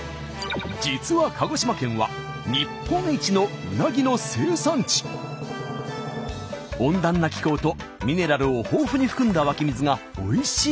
実は温暖な気候とミネラルを豊富に含んだ湧き水がおいしい